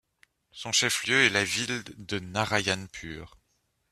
Son chef-lieu est la ville de Narayanpur.